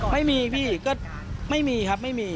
ไม่มีพี่ก็ไม่มีครับไม่มี